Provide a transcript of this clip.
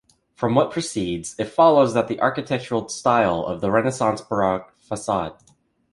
From what proceeds, it follows that the architectural style of the renaissance baroque facade.